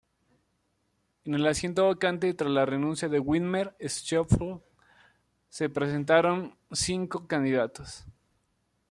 En el asiento vacante tras la renuncia de Widmer-Schlumpf se presentaron cinco candidatos.